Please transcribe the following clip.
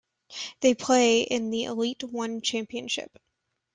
They play in the Elite One Championship.